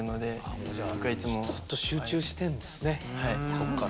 そっから。